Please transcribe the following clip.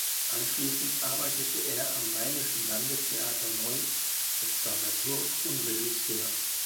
Anschließend arbeitete er am Rheinischen Landestheater Neuss als Dramaturg und Regisseur.